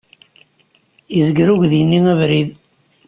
Yezger uydi-nni abrid.